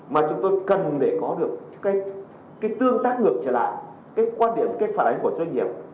mà chúng tôi cần để có được tương tác ngược trở lại quan điểm phản ánh doanh nghiệp